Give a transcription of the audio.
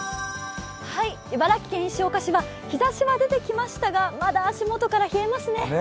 茨城県石岡市は日ざしは出てきましたが、まだ足元から冷えますね。